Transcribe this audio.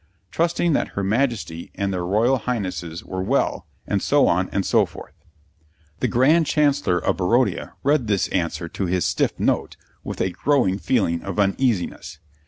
Trusting that her Majesty and their Royal Highnesses were well, ... and so on and so forth. The Grand Chancellor of Barodia read this answer to his Stiff Note with a growing feeling of uneasiness.